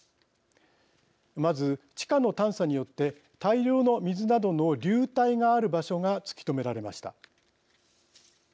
まず、地下の探査によって大量の水などの流体がある場所が突き止められました。